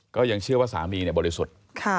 ก็ยังเชื่อว่าสามีบริสุทธิ์